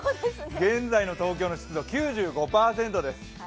現在の東京の湿度９５％です。